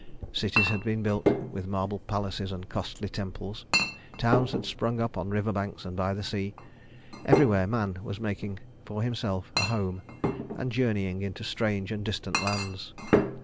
Cities had been built, with marble palaces and costly temples. Towns had sprung up on river banks and by the sea. Everywhere man was making for himself a home, and journeying into strange and distant lands.